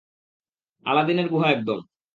আলাদিনের গুহা একদম!